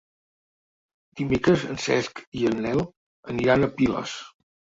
Dimecres en Cesc i en Nel aniran a Piles.